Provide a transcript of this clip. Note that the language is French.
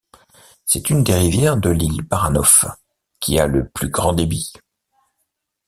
C'est une des rivières de l'Île Baranof qui a le plus grand débit.